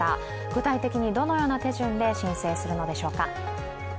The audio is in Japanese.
具体的にどのような手順で申請するのでしょうか。